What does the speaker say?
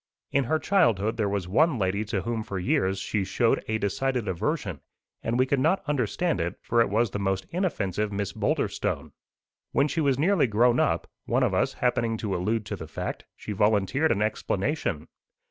In her childhood there was one lady to whom for years she showed a decided aversion, and we could not understand it, for it was the most inoffensive Miss Boulderstone. When she was nearly grown up, one of us happening to allude to the fact, she volunteered an explanation.